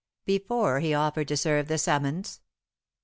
"Before he offered to serve the summons?"